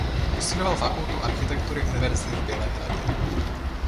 Vystudoval Fakultu architektury Univerzity v Bělehradě.